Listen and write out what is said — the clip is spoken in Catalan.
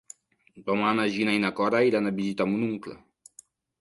Demà na Gina i na Cora iran a visitar mon oncle.